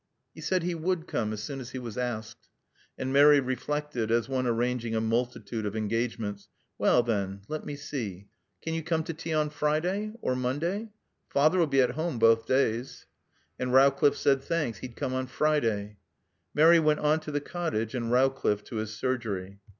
He said he would come as soon as he was asked. And Mary reflected, as one arranging a multitude of engagements. "Well, then let me see can you come to tea on Friday? Or Monday? Father'll be at home both days." And Rowcliffe said thanks, he'd come on Friday. Mary went on to the cottage and Rowcliffe to his surgery.